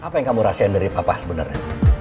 apa yang kamu rasakan dari papa sebenernya